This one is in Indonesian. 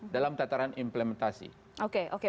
dalam tataran implementasi oke oke